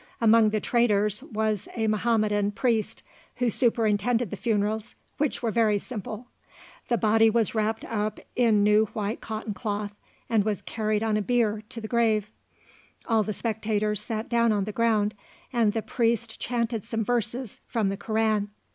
Among the traders was a. Mahometan priest, who superintended the funerals, which were very simple. The body was wrapped up in new white cotton cloth, and was carried on a bier to the grave. All the spectators sat down on the ground, and the priest chanted some verses from the Koran.